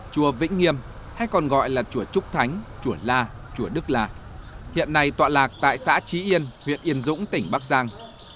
chùa vĩnh nghiêm hay còn gọi là chùa trúc thánh chùa la chùa đức la hiện nay tọa lạc tại xã trí yên huyện yên dũng tỉnh bắc giang